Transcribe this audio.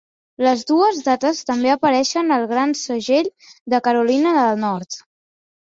Les dues dates també apareixen al Gran Segell de Carolina del Nord.